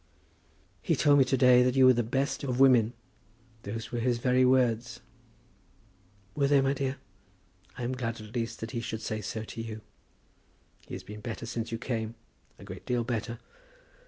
"He told me to day that you were the best of women. Those were his very words." "Were they, my dear? I am glad at least that he should say so to you. He has been better since you came; a great deal better.